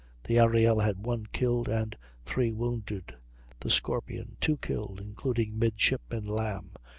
The Ariel had 1 killed and 3 wounded; the Scorpion 2 killed, including Midshipman Lamb.